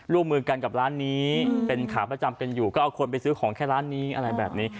ร่วมมือกันกับร้านนี้เป็นขาประจำกันอยู่ก็เอาคนไปซื้อของแค่ร้านนี้อะไรแบบนี้